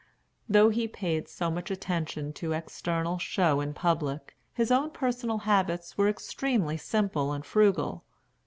Though he paid so much attention to external show in public, his own personal habits were extremely simple and frugal.